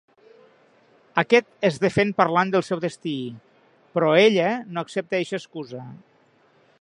Aquest es defèn parlant del seu destí, però ella no accepta eixa excusa.